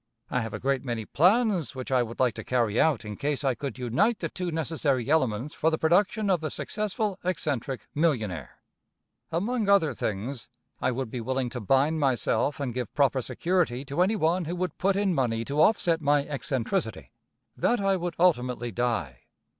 I have a great many plans which I would like to carry out, in case I could unite the two necessary elements for the production of the successful eccentric millionaire. Among other things, I would be willing to bind myself and give proper security to any one who would put in money to offset my eccentricity, that I would ultimately die.